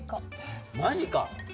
マジか！